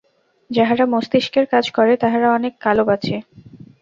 যাহারা মস্তিষ্কের কাজ করে, তাহারা অনেক কাল বাঁচে।